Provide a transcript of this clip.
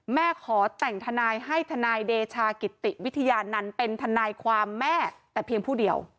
แม่ขอแต่งทนายให้ทนายเดชากิติวิทยานันต์เป็นทนายความแม่แต่เพียงผู้เดียว